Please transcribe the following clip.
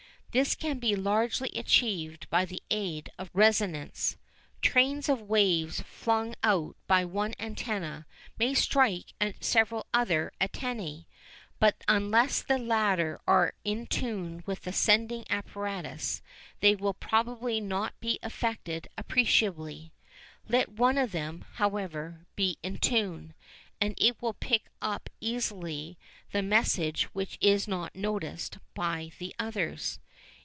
This can be largely achieved by the aid of resonance. Trains of waves flung out by one antenna may strike several other antennæ, but unless the latter are in tune with the sending apparatus they will probably not be affected appreciably. Let one of them, however, be in tune, and it will pick up easily the message which is not noticed by the others.